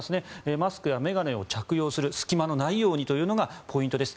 マスクや眼鏡を着用する隙間のないようにというのがポイントです。